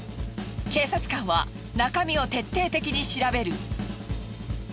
警察官は中身を徹底的に調べる。